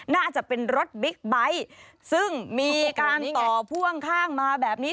น่าจะเป็นรถบิ๊กไบท์ซึ่งมีการต่อพ่วงข้างมาแบบนี้